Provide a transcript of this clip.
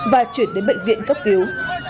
và chuyển đến bệnh viện cấp cứu